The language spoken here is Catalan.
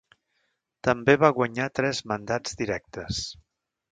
També va guanyar tres mandats directes.